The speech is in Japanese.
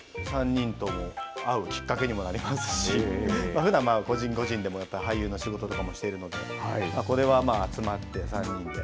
３人とも会うきっかけにもなりますし、ふだん、個人個人でも俳優の仕事とかもしてるので、これは集まって３人で。